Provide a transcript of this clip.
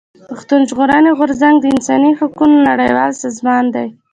پښتون ژغورني غورځنګ د انساني حقوقو نړيوال سازمان دی.